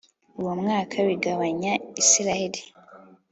uwo mwaka bigabanya israheli